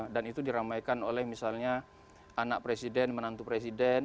dan itu diramaikan oleh misalnya anak presiden menantu presiden